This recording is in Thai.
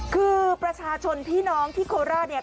คือประชาชนพี่น้องที่โคราชเนี่ย